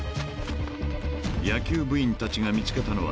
［野球部員たちが見つけたのは］